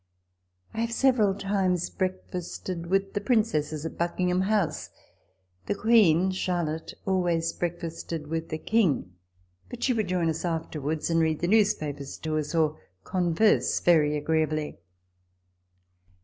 I have several times breakfasted with the Prin cesses at Buckingham House. The Queen (Char TABLE TALK OF SAMUEL ROGERS 203 lotte) always breakfasted with the King : but she would join us afterwards, and read the newspapers to us, or converse very agreeably.